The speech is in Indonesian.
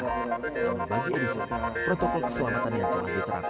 namun bagi odesi protokol keselamatan yang telah diterapkan